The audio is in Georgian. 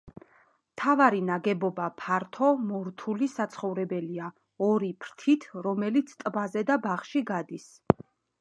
მთავარი ნაგებობა ფართო, მორთული საცხოვრებელია, ორი ფრთით, რომელიც ტბაზე და ბაღში გადის.